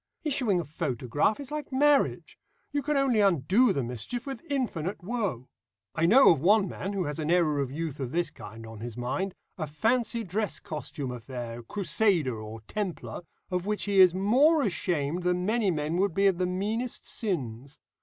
Issuing a photograph is like marriage: you can only undo the mischief with infinite woe. I know of one man who has an error of youth of this kind on his mind a fancy dress costume affair, Crusader or Templar of which he is more ashamed than many men would be of the meanest sins.